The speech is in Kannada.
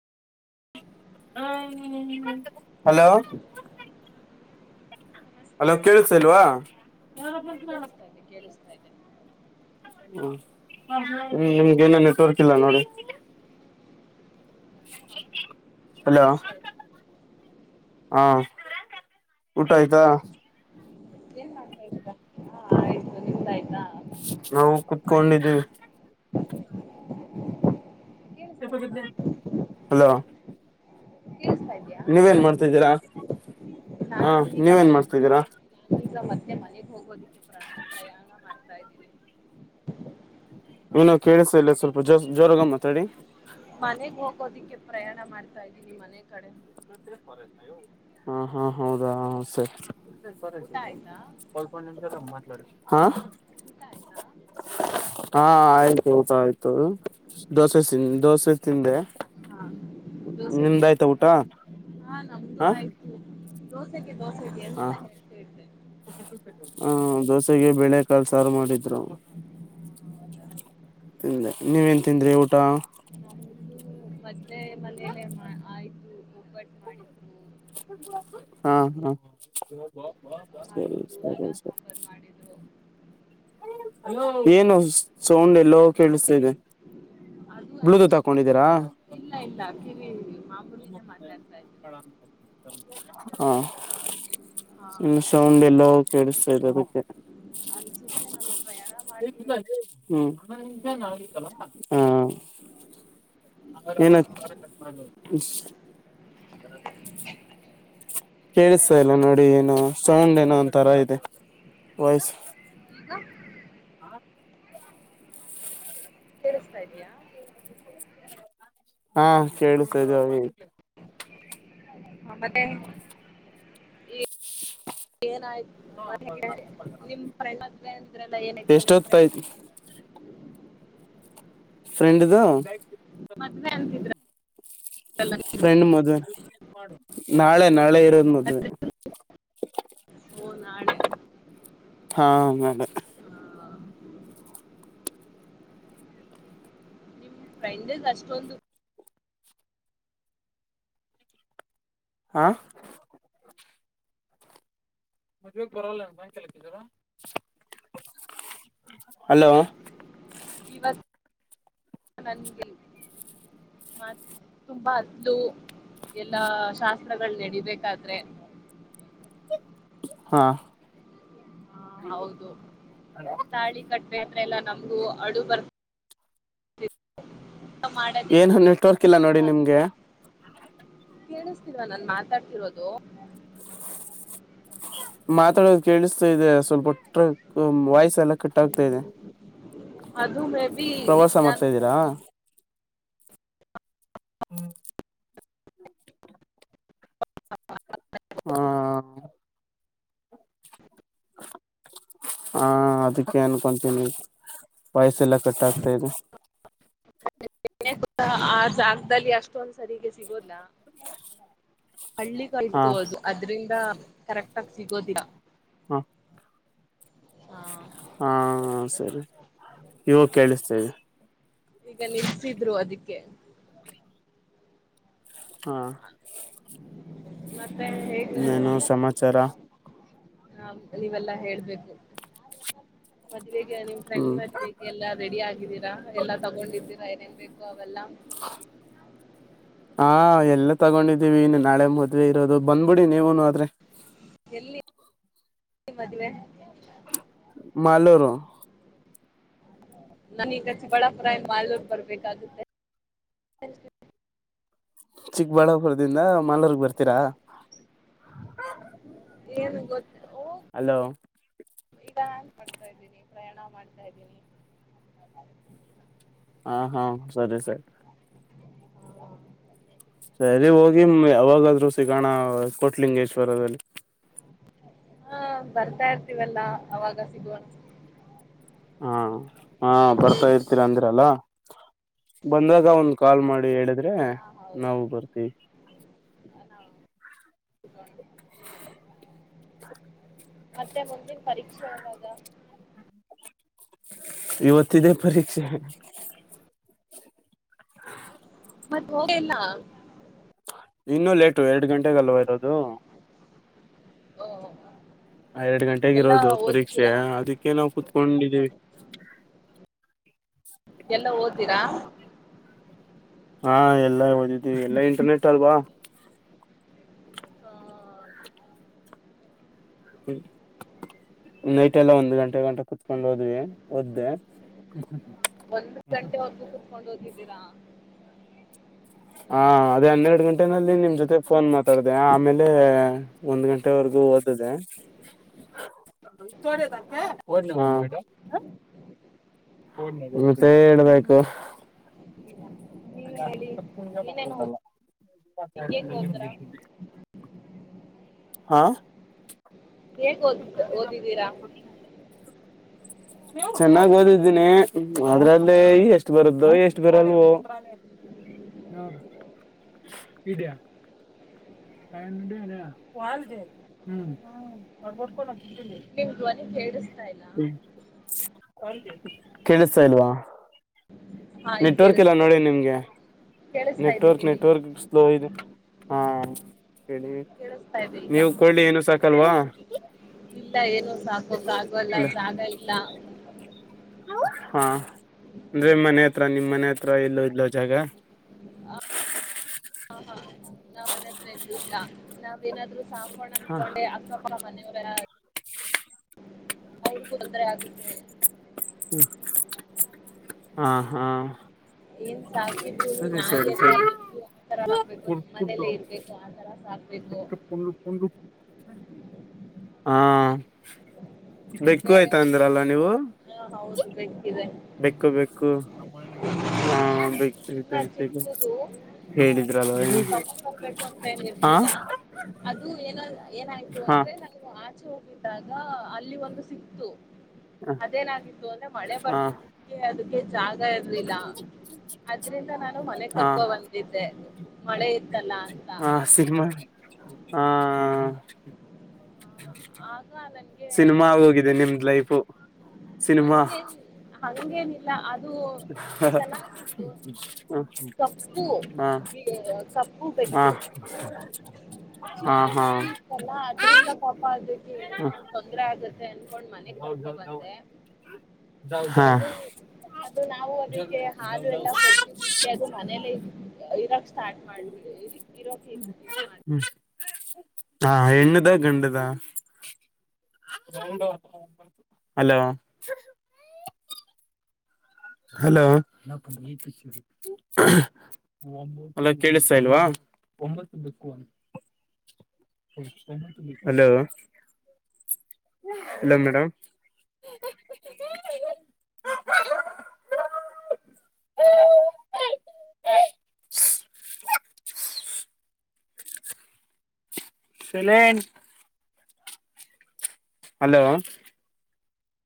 [unintelligible] ಹಲೋ ನಮಸ್ತೆ ಅಲೋ ಕೇಳಸತಿಲ್ವಾ. ಕೇಳಿಸ್ತಾ ಇದೆ ಕೇಳಿಸ್ತಾ ಇದೆ ಹ್ಮ್ ನಿಮಗೆ ಏನ್ ನೆಟ್ವರ್ಕ್ ನೋಡಿ. ಹೌದಾ ಹ [inaudible] ಒಂದ್ ಹಲೋ ನಿಮಿಷ ಇರಿ ಹಾ ಊಟ ಆಯ್ತಾ ಏನ್ ಮಾಡ್ತಾಹ [inaudible] ಆಯ್ತು ನಿಮ್ದಾಯ್ತಾ ನಾವು ಕುತ್ಕೊಂಡಿವಿ ಕೇಳಿಸ್ತಾ ಇಲ್ವಾ [inaudible] ಹಲೋ ಕೇಳಿಸ್ತಾ ಇದೆಯಾ ನೀವೇನ್ ಮಾತಾಡ್ತಿರೋದು ಮಾಡ್ತಿದ್ದೀರಾ ಹಾ ನಾನು ಈಗ ನೀವೇನ್ ಮಾಡ್ತಿದ್ದೀರಾ ಹೋಗದು ಪ್ರಯಾಣ ಮಾಡ್ ತಾ ಇದ್ದೀನಿ ಏನ ಕೇಳಸಲ್ಲ ಸ್ವಲ್ಪ ಜ ಜೋರಾಗ ಮಾತಾಡಿ ಮನೆಗ್ ಹೋಗೋದಿಕ್ಕೆ ಪ್ರಯಾಣ ಮಾಡ್ತಾ ಇದ್ದೀನಿ ಮನೆ ಕಡೆ [inaudible] ಹಾ ಹಾ ಹೌದಾ ಸರಿ ಹಾ ಸ ಸರಿ ಸ ಊಟ ಈಗ ಆಯ್ತಾ ಕಲ್ಪೊಂಡ ಮಾತಾಡಡ್ [unintelligible] ಹಾ [inaudible] ಊಟ ಆಯ್ತಾ ಹಾ ಆಯ್ತು ಊಟ ಆಯ್ತು ದೋಸೆನ್ ದೋಸೆ ತಿಂದೆ ಹಾ ದೋಸೆಗೆ ನಿಂದಾಯ್ತ ಊಟ ಹಾ ನಮ್ದು ಹ ಆಯ್ತು ದೋಸೆೆಗೆ ದೋಸೆ ಇದೆ ಎಂತ ಹೇಳ್ತ ಇರ್ತದೆ ಹ್ಮ ದೋಸೆಗೆ ಬೆಳೆ ಕಲ್ಸ ಸಾರ ಮಾಡಿದ್ರು ಹೌದಾ ತಿಂದ ನೀವೇನ್ ತಿಂದ್ರಿ ಊಟ ಅ [inaudible] ಮನೆಯಲ್ಲ ಆಯ್ತ ಒಬಟ್ಟ ಮಾಡಿದ್ರು ಹಾ ಹಾ ಸರಿ ಮಾಡಿದ್ರು ಸರಿ ಅನ್ನ ಸರಿ ಸಾಂಬಾರ್ ಮಾಡಿದ್ರು ಏನು ಸೌಂಡ್ ಎಲ್ಲೋ ಕೇಳಿಸ್ತಿದೆ ಅದು ಬ್ಲೂಟೂತ್ ಆಕ್ಚುಲಿ ಆಕೊಂಡಿದ್ದೀರಾ [inaudible] ಇಲ್ಲ ಇಲ್ಲ ಕಿರಿ ಮಾಮೂಲಿನೇ ಮಾತಾಡ್ತಾ ಇದ್ರು ಹಾ ಹಾ ಇನ್ನು ಸೌಂಡ್ ಎಲ್ಲ ಕೇಳಿಸ್ತಾದೆ ಅದಕ್ಕೆ ಅನ್ಸುತ್ತೆ ನಾನು ಪ್ರಯಾಣ ಮಾಡ್ತಿರೋದಕ್ಕೆ ಹ್ಮ ಅನ್ಸುತ್ತೆ ಹ್ಮ ಹಾ, [inaudible] ಕೇಳ್ತಾ ಕೇಳಿಸ್ತಾ ಇಲ್ಲ ನೋಡಿ ಏನೋ ಸೌಂಡ್ ಏನೋ ಒಂತರ ಇದೆ ಈಗ ವಾಯ್ಸ್ ಈಗ ಕೇಳಿಸತಾ ಇದ್ಯಾ [inaudible] ಹಾ ಕೇಳತೇ ಇದೆ ಹಾ ಮತ್ತೆನ್. [inaudible] ಏನಾಯ್ತು ಮನೆಗೆ ನಿಮ್ಮ್ ಫ್ರೆಂಡ್.. [unintelligible] ಇದ್ರೆಲ್ಲ ಏನಕ್ಕೆ ಎಷ್ಟೊತ್ತಾಯ್ತು ನೀಮ್ [unintelligible] ಎಂಡದು. ಮದ್ವೆ ಅಂತಿದ್ರಲ್ಲ ನೀವು ಫ್ರೆಂಡ ಮದ್ವೆ. ನಾಳೆ ನಾಳೆ ಇರೋದು ಮದ್ವೆ. ಓ ನಾಳೆ. ಹಾ ನಾಳೆ. ಆ, ಫ್ರೆಂಡದ್ ಅಷ್ಟೊಂದು. ಹಾ. ಮದ್ವೆ ಗೆ ಬರಲ್ಲ ಏನ ಸಾಯಂಕಾಲ, ಹಲೋ ಇವತ್ತು ನನ್ಗೆ ತುಂಬಾ ಅತ್ಲು ಶಾಸ್ತ್ರಗಳು ನಡಿಬೇಕಾದ್ರೆ. ಹಾ ಹಾ ಹೌದು ತಾಳಿ ಕಟ್. ದ್ರೆ ಎಲ್ಲ ನಮಗೂ ಅಳು ಬರತ್. [inaudible] ಏನು ನೆಟ್ವರ್ಕ್ ಇಲ್ಲ ನೋಡಿ ನಿಮ್ಗೆ. ಕೇಳಿಸ್ತಿಲ್ವಾ ನಾನ ಮಾತಾಡ್ತಿರೋದು. ಮಾತಾಡೋದು ಕೇಳಿಸ್ತಾ ಇದೆ ಸ್ವಲ್ಪಟ್ಟ್ರ. ವಾಯ್ಸ್ ಎಲ್ಲ ಕಟ್ಟ ಆಗ್ತಾ ಇದೆ. ಅದು ಮೇ. ಬಿ ಪ್ರವಾಸ ಮಾಡ್ತಾ ನಾನು ಇದೀರಾ. ಹ್ಮ. ಹಾ ಹಾ ಹಾ ಅದಕ್ಕೆ ಅನ್ಕೊಂತೀನಿ ವೈಸ್ ಎಲ್ಲ ಕಟ್ಟ ಆಗ್ತಾ ಇದೆ. ಆ ಜಾಗದಲ್ಲಿ ಅಷ್ಟೊಂದು ಸರಿಗೆ ಸಿಗೋದ್ನ. ಹಾ ಹಳ್ಳಿಗಾಯ್ತು ಅದು ಅದ್ರಿಂದ. ಕರೆಕ್ಟ್. ಸಿಗೋದಿಯ. ಹ ಹಾ ಸರಿ ಇವಾಗ ಕೇಳಿಸ್ತಾ ಇದೆ. ಈಗ ನಿಲ್ಸಿದ್ರು ಅದಿಕ್ಕೆ. ಹಾ ಮತ್ತೆ ಹೇಗ್ ಇನ್ನೇನು ಸಮಾಚಾರ. ನವ್ ನೀವೆಲ್ಲಾ ಹೇಳ್ಬೇಕು ಮತ್. ಈಗ ನಿಮ್ ಫ್ರೆಂಡ್ ಹ್ಮ್ ಮದವೆಗೆಲ್ಲಾ ರೆಡಿ ಆಗಿದಿರಾ ಎಲ್ಲ ತಗೊಂಡಿದಿರಾ. ಏನೇನ್ ಬೇಕು ಅವೆಲ್ಲ ಹಾ ಎಲ್ಲ ತಗೊಂಡಿದ್ದೀವಿ ಇನ್ನು ನಾಳೆ ಮದವೆ ಇರೋದು ಬಂದ್ಬಿಡಿ ನೀವುನು ಆದ್ರೆ ಎಲ್ಲಿ ಮದ್ವೆ ಮಾಲೂರು ನಾನೀಗ ಚಿಕ್ಕಬಳ್ಳಾಪುರ ಇಂದ ಮಾಲೂರ್ ಬರ್ಬೇಕಾಗುತ್ತೆ ಚಿಕ್ಕಬಳ್ಳಾಪುರದಿಂದ ಮಾಲೂರುಗ್ ಬರ್ತೀರಾ ಏನ್ ಗೊತ್ತ ಹಲೋ ಪ್ರಯಾಣ ಮಾಡ್ತಾ ಇದ್ದೀನಿ ಪ್ರಯಾಣ ಮಾಡ್ತಾ ಇದ್ದೀನಿ ಹಾ ಹಾ ಸರಿ ಸರಿ ಸರಿ ಹೋಗಿ ಯಾವಾಗಾದ್ರು ಸಿಗೋಣ ಕೋಟ್ಲಿಂಗೇಶ್ವರದಲ್ಲಿ ಹಾ... ಬರ್ತಾ ಇರ್ತೀವಲ್ಲ ಅವಾಗ ಸಿಗೋಣ ಹಾ ಹಾ ಬರ್ತಾ ಇರ್ತೀರ ಅಂದಿರಲ್ಲ.. ಬಂದಾಗ ಒಂದು ಕಾಲ್ ಮಾಡಿ ಹೇಳಿದ್ರೆ ಹಾ ನಾವು ಬರ್ತೀವಿ ಹೌದು... ಸಿಗೊಣ... ಮತ್ತೆ ಮುಂದಿನ ಪರೀಕ್ಷೆ ಯಾವಾಗ ಇವತ್ತಿದೆೇ ಪರೀಕ್ಷೆ ಮತ್ತ್ ಹೋಗೇ ಇಲ್ಲ ಇನ್ನು ಲೇಟ್ ಎರಡು ಗಂಟೆಗೆ ಅಲ್ವ ಇರೋದು ಅದು.. ಓ ಹೊ... ಎರಡು ಗಂಟೆಗ್ ಇರೋದು ಪರೀಕ್ಷೆ ಅದಕ್ಕೆ ನಾವು ಕುತ್ಕೊಂಡಿದ್ದೀವಿ ಎಲ್ಲಾ ಓದ್ದೀರಾ.. ಹಾ ಎಲ್ಲಾ ಓದಿದೀವಿ ಎಲ್ಲಾ ಇಂಟರ್ನೆಟ್ ಅಲ್ವಾ ಹಾ... ಹ್ಮ ನೈಟ್ ಎಲ್ಲ ಒಂದು ಗಂಟೆ ಗಂಟ ಕುತ್ಕೊಂಡ್ ಹೋದ್ವಿ ಓದ್ದೆ ಒಂದ್ ಗಂಟೆ ವರ್ಗು ಕುತ್ಕೊಂಡ್ ಓತದಿದ್ದೀರಾ.. ಹಾ ಅದೇ ಹನ್ನೆರಡು ಗಂಟೆನಲ್ಲಿ ನಿಮ್ ಒಳ್ಳೇದು ಜೊತೆ ಫೋನ್ ಮಾತಾಡಿದೆ ಆಮೇಲೆ ಒಂದ್ ಗಂಟೆವರೆಗೂ ಓದಿದೆ ಮತ್ತ್ ಹ್ಮ್ ಮತ್ತೆ ಹೇಳ್ಬೇಕು ನೀವೇ ಹೇಳಿ ಏನೇನು ಓದ್ ಹೆಂಗೆಂಗ್ ಓದ್ರ ಹಾ ಹೇಗ್ ಓದ್ ಓದಿದ್ದೀರಾ ಚೆನ್ನಾಗ್ ಓದಿದ್ದೀನಿ ಅದ್ರಲ್ಲೇ ಆ, ಎಷ್ಟು ಬರುದ್ದೋ ಎಷ್ಟು ಬರಲ್ವೊ [unintelligible] [unintelligible] ನಿಮ್ ಧ್ವನಿ ಕೇಳ್ಸ್ತಾ ಇಲ್ಲ ಕೇಳಿಸ್ತಾ ಇಲ್ವಾ ಹಾ ಈಗ ನೆಟ್ವರ್ಕ್ ಎಲ್ಲಾ ಕೇಳಿಸ್ತಾ ಇದೆ ನೋಡಿ ನಿಮ್ಗೆ ಕೇಳಿಸ್ತಾ ಇದೆ ನೆಟ್ವರ್ಕ್ ಹೇಳಿ ನೆಟ್ವರ್ಕ್ ಸ್ಲೋ ಇದೇ ಹಾ. ಹೇಳಿ ಕೇಳಸ್ತಾ ಇದೇ ಈಗ, ನೀವು ಕೊಳ್ಳಿ ಏನು ಸಾಕಲ್ವಾ ಇಲ್ಲಾ ಏನು ಸಾಕೋಕ ಆಗಲ್ಲ ಅಲ್ಲ ಜಾಗ ಇಲ್ಲಾ. ಹಾ ಅಂದ್ರೆ ಆ, ಮನೆ ಹತ್ರ ನಿಮ್ ಮನೆ ಹತ್ರ ಎಲ್ಲೂ ಇಲ್ಲ ಜಾಗ ನಮ್ ಮನೆ ಅಂತ್ರ ಏನು ಇಲ್ಲ ನಾವೇನಾದ್ರೂ ಸಾಕ್ ಹಕೊಂಡ ಹ ಅಂನ್ಕೊಂಡೆ ಅಕ್ಕಪರ ಮನೆ ಅವರ್ ಯಾರ್ ಅವ್ರಿಗೂ ತೊಂದರೆ ಆಗುತ್ತೆ ಹ್ಮ ಹಾ ಹಾ ಏನ್ ಸಾಕಿದ್ರುನು ಸರಿ ನಾಯಿ ಸರಿ ಅಥ್ವಾ ಸರಿ ಬೇಕು ತರ ಹಕ್ಬೇಕು ನಮ್ಮ ಮನೇಲ್ಲೇ ಇರ್ಬೇಕು ಆ ತರ ಸಾಕ್ [unintelligible] ಹಾ ಬೆಕ್ಕು ಬೇರೆ ಆಯ್ತಾ ಅಂದ್ರಲ್ಲ ನೀವು ಹಾ ಹೌದು ಬೆಕ್ಕಿದೆ ಬೇಕ್ಕು ಬೇಕ್ಕು ಹ ಇನ್ನ [unintelligible] ಚಿಕ್ಕದು ಹೇಳಿದ್ರಲ್ವಾ ತಗೊಂಡ್ ಬರ್ಬೇಕು ಹಾ ಏನಲ್ಲ ಏನಾಯ್ತು ಹಾ ಅಂದ್ರೆ ನಾವು ಆಚೆ ಹೋಗ್ ಇದ್ದಾಗ ಅಲ್ಲಿ ಒಂದು ಸಿಕ್ತು ಹಾ ಅದೇನಾಗಿತ್ತು ಅಂದ್ರೆ ಮಳೆ ಬರ್ತಿದ್ದಿಕ್ಕೆ ಅದಕ್ಕೆ ಜಾಗ ಇರ್ಲಿಲ್ಲ ಅದ್ರಿಂದ ನಾನು ಮನೆ ಹಾ ಕರ್ಕೋ ಬಂದಿದ್ದೆ ಮಳೆ ಇತ್ತಲ್ಲಾ ಅಂತ ಹಾ ಸಿನಿಮಾ ಹಾ ಹಾ ಆಗ ನನ್ಗೆ [inaudible] ಸಿನಿಮಾ ಆಗೋಗಿದೆ ನಿಮ್ದ್ ಲೈಫು ಸಿನಿಮಾ ಹಂಗೆನಿಲ್ಲ ಅದ್ ಹ ಕಪ್ಪು ಬಿ ಕಪ್ಪು ಹಾ ಬೆಕ್ಕು ಹಾ ಹಾ ಚಿಕ್ಕು ಹಾ ಮರಿ ಇತ್ತಲ್ಲ ಅದ್ರಿಂದ ಪಾಪ ಅದಕ್ಕೆ ಏನೋ ತೊಂದ್ರ ಆಗುತ್ತೆ ಅನ್ಕೊಂಡ್ ಮನೆ ಕರ್ಕೊ ಬಂದೆ ಹಾ ಹಾ ಅದು ಅ ನಾವು ಅದಕ್ಕೆ ಹಾಲು ಎಲ್ಲ ಕೊಡ್ತಿದಿಕ್ಕೆ ಅದು ಮನೇಲೆ ಇದು ಇರೋಕ್ ಸ್ ಸ್ಟಾರ್ಟ್ ಮಾಡ್ಬಿಡಿ ಇ ಇರೋಕ ಇರ್ ಇದು ಹಾ ಹೆಣ್ಣದ ಗಂಡದ ಅಲ ಹಲೋ ಹಲೋ ಕೇಳಿಸ್ತಾ ಇಲ್ವಾ ಹಲೋ ಹಲೋ ಮೇಡಂ [inaudible] ಸಲೆಂಟ್ ಹಲೋ